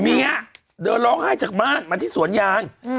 เมียเดินร้องไห้จากบ้านมาที่สวนยาง